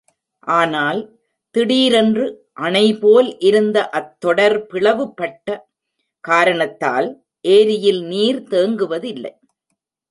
ஆனால், திடீரென்று அணைபோல் இருந்த அத் தொடர் பிளவுபட்ட காரணத்தால் ஏரியில் நீர் தேங்குவதில்லை.